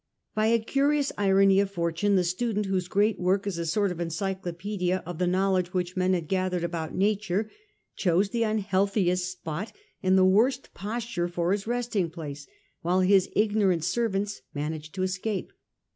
By a curious irony of fortune the student, whose great work is a sort of encyclopaedia of the knowledge which men had gathered about nature, chose the unhealthiest spot and the worst posture for his resting place, while his ignorant servants managed to escape.